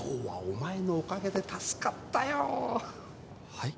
はい？